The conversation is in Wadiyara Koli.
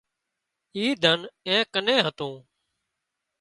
اي ڌن اين ڪنين هتون